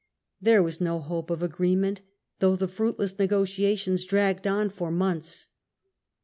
There was no hope of agreement, though the fruitless negotiations dragged on for months.